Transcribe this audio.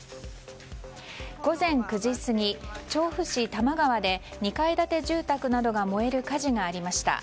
午前９時過ぎ、調布市多摩川で２階建て住宅などが燃える火事がありました。